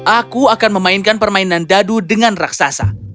aku akan memainkan permainan dadu dengan raksasa